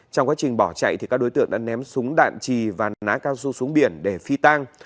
trong quá trình bỏ chạy các đối tượng đã ném súng đạn trì và ná cao su xuống biển để phi tang